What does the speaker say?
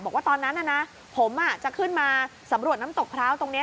บอกว่าตอนนั้นนะผมจะขึ้นมาสำรวจน้ำตกพร้าวตรงนี้